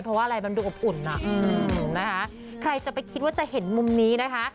เพราะว่าอะไรมันดูอบอุ่นน่ะอืมนะคะใครจะไปคิดว่าจะเห็นมุมนี้นะคะ